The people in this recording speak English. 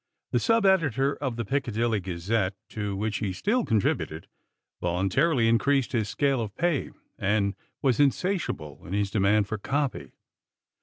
The sub editor of the Piccadilly Gazette, to which he still contributed, voluntarily increased his scale of pay and was insatiable in his demand for copy.